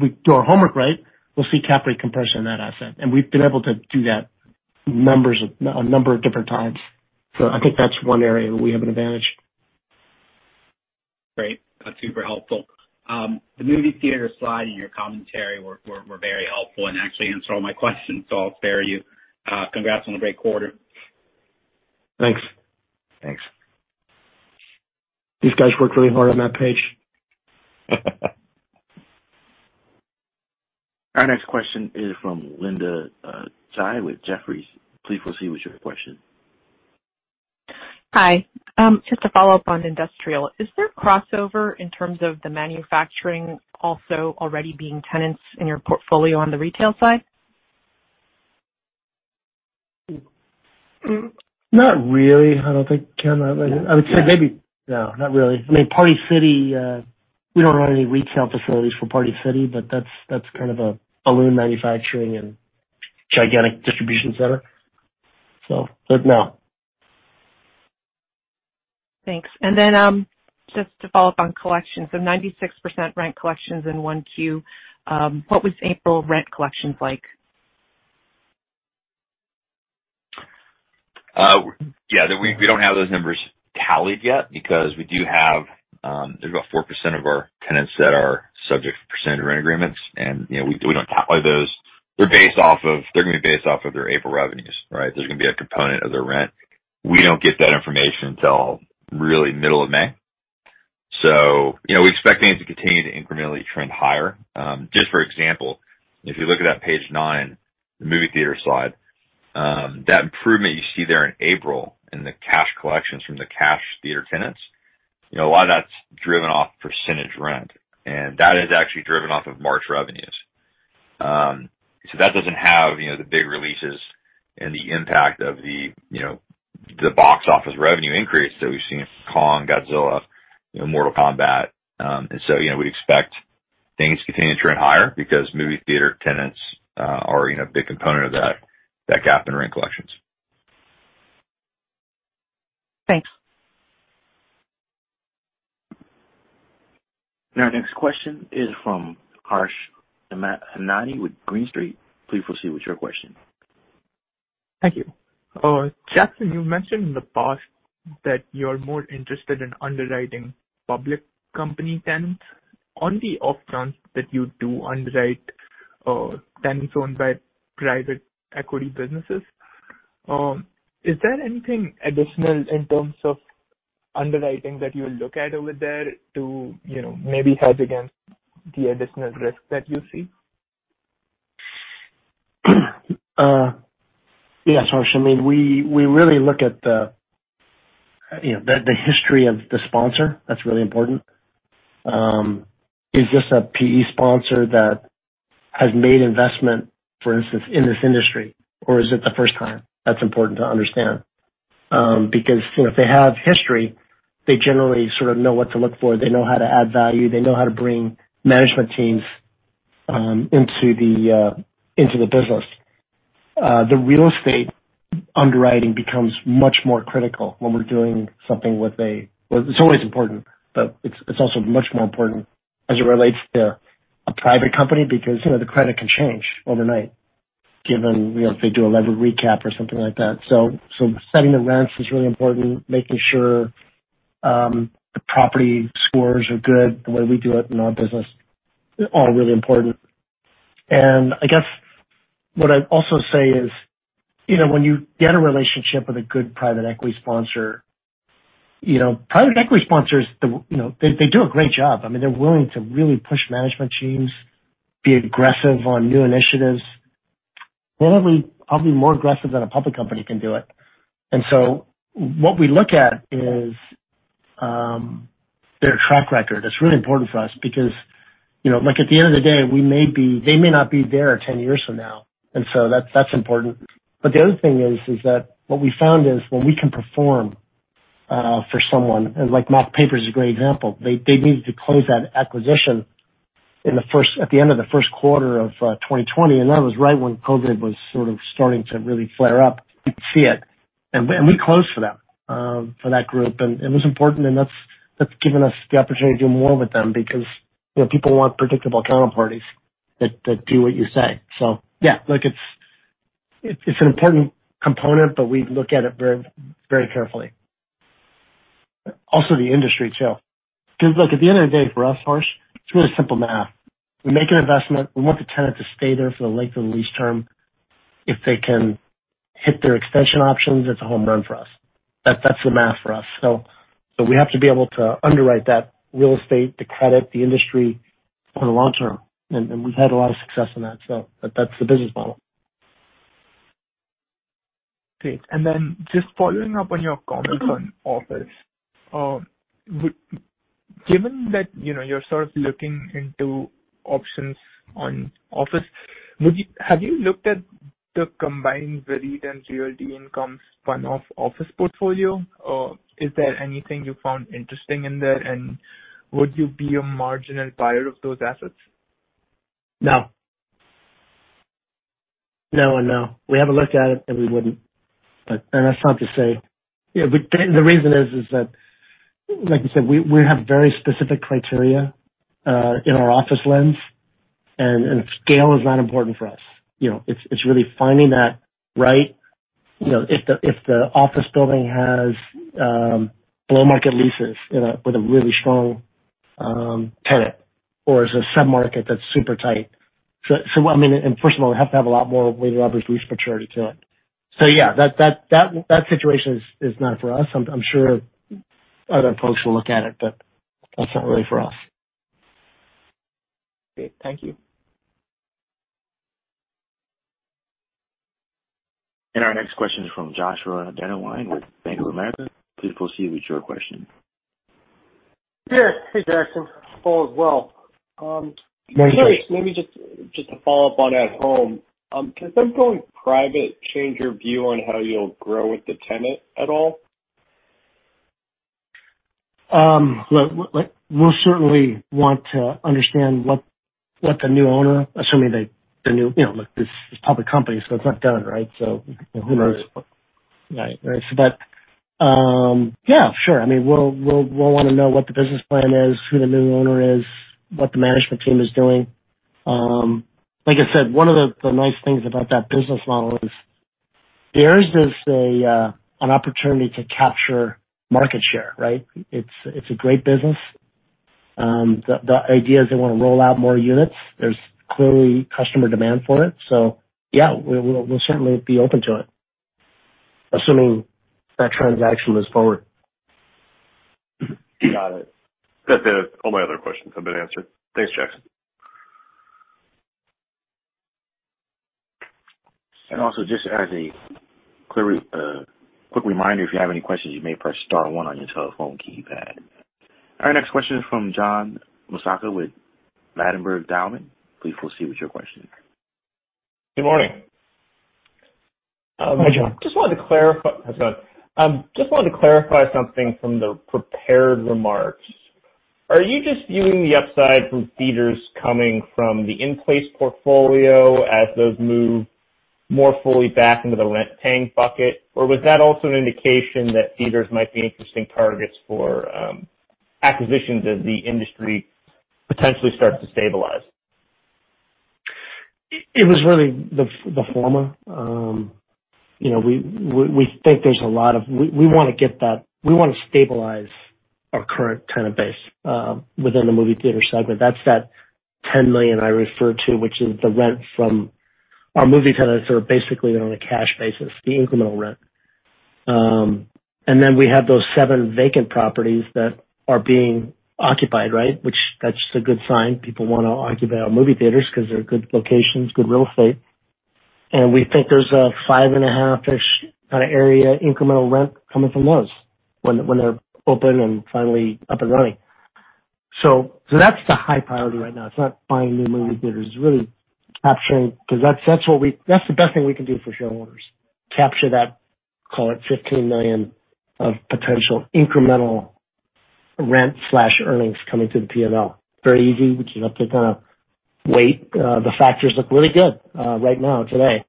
we do our homework right, we'll see cap rate compression in that asset. We've been able to do that a number of different times. I think that's one area where we have an advantage. Great. That's super helpful. The movie theater slide and your commentary were very helpful and actually answered all my questions. I'll spare you. Congrats on a great quarter. Thanks. Thanks. These guys worked really hard on that page. Our next question is from Linda Tsai with Jefferies. Please proceed with your question. Hi. Just to follow up on industrial, is there crossover in terms of the manufacturing also already being tenants in your portfolio on the retail side? Not really. I don't think, Ken. No, not really. Party City, we don't own any retail facilities for Party City, but that's kind of a balloon manufacturing and gigantic distribution center. No. Thanks. Just to follow up on collections. 96% rent collections in one Q. What was April rent collections like? We don't have those numbers tallied yet because there's about 4% of our tenants that are subject to percentage rent agreements, and we don't tally those. They're going to be based off of their April revenues, right? There's going to be a component of their rent. We don't get that information until really middle of May. We expect things to continue to incrementally trend higher. Just for example, if you look at that page nine, the movie theater slide, that improvement you see there in April in the cash collections from the cash theater tenants, a lot of that's driven off percentage rent, and that is actually driven off of March revenues. That doesn't have the big releases and the impact of the box office revenue increase that we've seen from "Godzilla vs. Kong," "Mortal Kombat." We expect things to continue to trend higher because movie theater tenants are a big component of that gap in rent collections. Thanks. Our next question is from Harsh Hemnani with Green Street. Please proceed with your question. Thank you. Jackson, you mentioned in the past that you're more interested in underwriting public company tenants on the off chance that you do underwrite tenants owned by private equity businesses. Is there anything additional in terms of underwriting that you look at over there to maybe hedge against the additional risk that you see? Yeah. I mean, we really look at the history of the sponsor. That's really important. Is this a PE sponsor that has made investment, for instance, in this industry, or is it the first time? That's important to understand. Because if they have history, they generally sort of know what to look for. They know how to add value. They know how to bring management teams into the business. The real estate underwriting becomes much more critical when we're doing something with well, it's always important, but it's also much more important as it relates to a private company because the credit can change overnight, given if they do a lever recap or something like that. Setting the rents is really important, making sure the property scores are good the way we do it in our business are all really important. I guess what I'd also say is, when you get a relationship with a good private equity sponsor, private equity sponsors, they do a great job. They're willing to really push management teams, be aggressive on new initiatives. Probably more aggressive than a public company can do it. What we look at is their track record. It's really important for us because, at the end of the day, they may not be there 10 years from now. That's important. The other thing is that what we found is when we can perform for someone, like Mac Papers is a great example. They needed to close that acquisition at the end of the first quarter of 2020, and that was right when COVID was sort of starting to really flare up. You could see it. We closed for them, for that group. It was important, and that's given us the opportunity to do more with them because people want predictable counterparties that do what you say. Yeah, it's an important component, but we look at it very carefully. Also the industry too. Look, at the end of the day, for us, Harsh, it's really simple math. We make an investment. We want the tenant to stay there for the length of the lease term. If they can hit their extension options, it's a home run for us. That's the math for us. We have to be able to underwrite that real estate, the credit, the industry for the long term. We've had a lot of success in that. That's the business model. Great. Just following up on your comments on office. Given that you're sort of looking into options on office, have you looked at the combined REIT and GLD Income spin-off office portfolio? Is there anything you found interesting in there, and would you be a marginal buyer of those assets? No. No and no. We haven't looked at it, and we wouldn't. That's not to say the reason is that, like you said, we have very specific criteria in our office lens, and scale is not important for us. It's really finding that right. If the office building has low market leases with a really strong tenant or is a sub-market that's super tight. First of all, it'd have to have a lot more weighted average lease maturity to it. Yeah, that situation is not for us. I'm sure other folks will look at it, but that's not really for us. Great. Thank you. Our next question is from Joshua Dennerlein with Bank of America. Please proceed with your question. Sure. Hey, Jackson. Hope all is well. Hi, Joshua. I'm curious, maybe just to follow up on At Home. Does them going private change your view on how you'll grow with the tenant at all? Look, we'll certainly want to understand what the new owner, look, this is a public company, so it's not done, right? Who knows? Right. Right. Yeah, sure. We'll want to know what the business plan is, who the new owner is, what the management team is doing. Like I said, one of the nice things about that business model is there's an opportunity to capture market share, right? It's a great business. The idea is they want to roll out more units. There's clearly customer demand for it. Yeah, we'll certainly be open to it, assuming that transaction moves forward. Got it. That's it. All my other questions have been answered. Thanks, Jackson. Our next question is from John Massocca with Ladenburg Thalmann. Please proceed with your question. Good morning. Hi, John. Just wanted to clarify something from the prepared remarks. Are you just viewing the upside from theaters coming from the in-place portfolio as those move more fully back into the rent paying bucket? Or was that also an indication that theaters might be interesting targets for acquisitions as the industry potentially starts to stabilize? It was really the former. We want to stabilize our current tenant base within the movie theater segment. That's that $10 million I referred to, which is the rent from our movie theaters are basically on a cash basis, the incremental rent. We have those seven vacant properties that are being occupied, right? That's a good sign. People want to occupy our movie theaters because they're good locations, good real estate. We think there's a $5.5 million kind of area incremental rent coming from those when they're open and finally up and running. That's the high priority right now. It's not buying new movie theaters. It's really capturing, because that's the best thing we can do for shareholders, capture that, call it $15 million of potential incremental rent/earnings coming to the P&L. Very easy. We just have to kind of wait. The factors look really good right now today.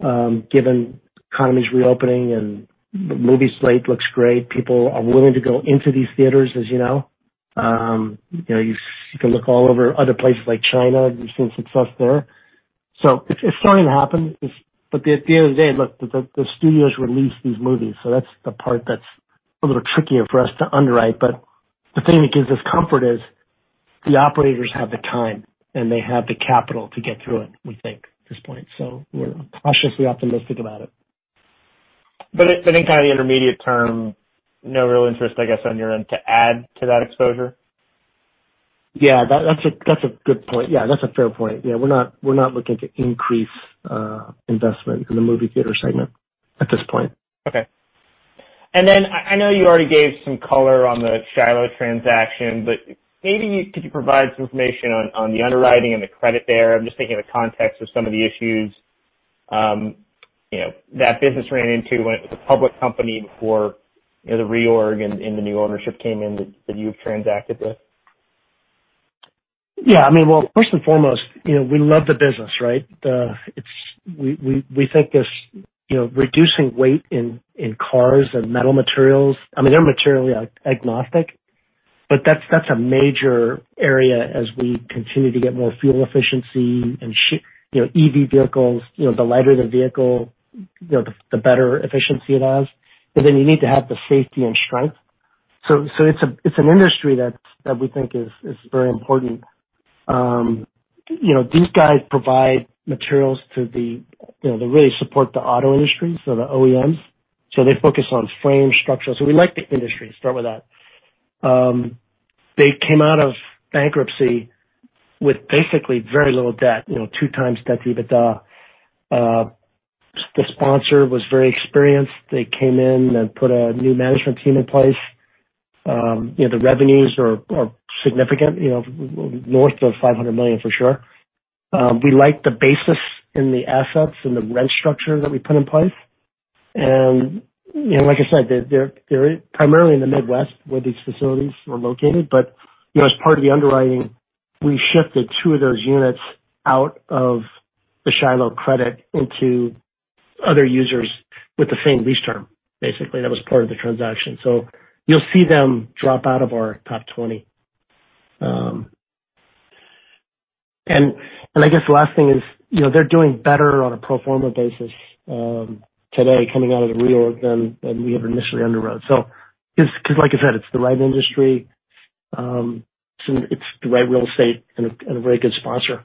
Given economy's reopening and movie slate looks great. People are willing to go into these theaters, as you know. You can look all over other places like China. You've seen success there. It's starting to happen. At the end of the day, look, the studios release these movies, so that's the part that's a little trickier for us to underwrite. The thing that gives us comfort is the operators have the time and they have the capital to get through it, we think, at this point. We're cautiously optimistic about it. In kind of the intermediate term, no real interest, I guess, on your end to add to that exposure? Yeah. That's a good point. Yeah, that's a fair point. Yeah, we're not looking to increase investment in the movie theater segment at this point. Okay. I know you already gave some color on the Shiloh transaction. Maybe could you provide some information on the underwriting and the credit there? I'm just thinking of the context of some of the issues that business ran into when it was a public company before the reorg and the new ownership came in that you've transacted with. First and foremost, we love the business, right? We think this reducing weight in cars and metal materials, they're materially agnostic, but that's a major area as we continue to get more fuel efficiency and EV vehicles. The lighter the vehicle, the better efficiency it has. Then you need to have the safety and strength. It's an industry that we think is very important. These guys provide materials. They really support the auto industry. The OEMs. They focus on frame structure. We like the industry. Start with that. They came out of bankruptcy with basically very little debt, 2x debt EBITDA. The sponsor was very experienced. They came in and put a new management team in place. The revenues are significant, north of $500 million for sure. We like the basis in the assets and the rent structure that we put in place. Like I said, they're primarily in the Midwest where these facilities are located. As part of the underwriting, we shifted two of those units out of the Shiloh credit into other users with the same lease term, basically. That was part of the transaction. You'll see them drop out of our top 20. I guess the last thing is they're doing better on a pro forma basis today coming out of the reorg than we ever initially underwrote. Because like I said, it's the right industry, it's the right real estate, and a very good sponsor.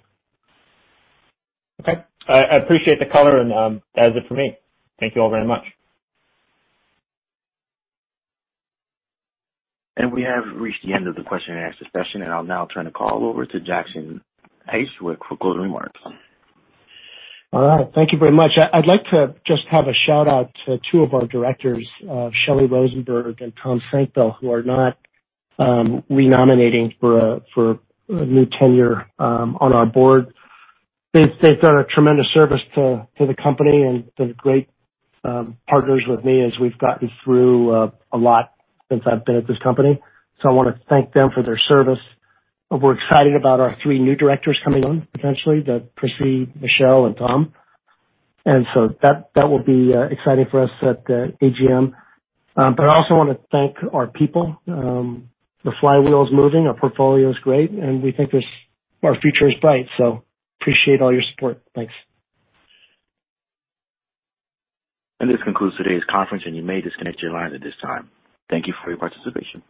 Okay. I appreciate the color and that is it for me. Thank you all very much. We have reached the end of the question and answer session, and I'll now turn the call over to Jackson Hsieh for closing remarks. All right. Thank you very much. I'd like to just have a shout-out to two of our directors, Sheli Rosenberg and Thomas H. Nolan, Jr, who are not re-nominating for a new tenure on our board. They've done a tremendous service to the company and been great partners with me as we've gotten through a lot since I've been at this company. I want to thank them for their service. We're excited about our three new directors coming on potentially to proceed Sheli Rosenberg and Thomas H. Nolan, Jr. That will be exciting for us at AGM. I also want to thank our people. The flywheel is moving, our portfolio is great, and we think our future is bright. Appreciate all your support. Thanks. This concludes today's conference, and you may disconnect your lines at this time. Thank you for your participation.